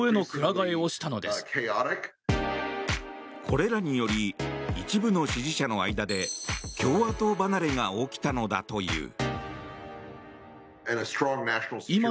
これらにより一部の支持者の間で共和党離れが起きたのだという。